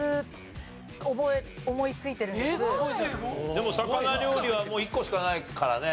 でも魚料理はもう１個しかないからね。